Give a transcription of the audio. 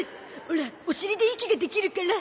オラお尻で息ができるから。